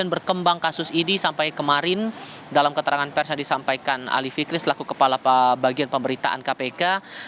dan berkembang kasus ini sampai kemarin dalam keterangan pers yang disampaikan ali fikri selaku kepala bagian pemberitaan kpk